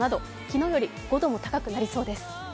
昨日より５度も高くなりそうです。